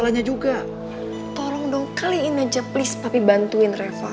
lagi yang juga mereka bukan anak sekolah kamu juga